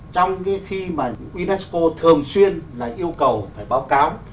trong khi mà unesco thường xuyên là yêu cầu phải báo cáo